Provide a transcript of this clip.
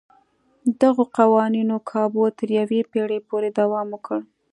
دغو قوانینو کابو تر یوې پېړۍ پورې دوام وکړ.